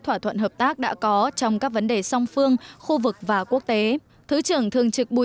thỏa thuận hợp tác đã có trong các vấn đề song phương khu vực và quốc tế thứ trưởng thường trực bùi